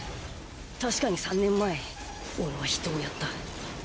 確かに３年前俺は人を殺った。